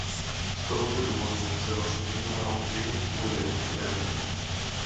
Z tohoto důvodu se vlastně jedná o jednotku neurčité velikosti.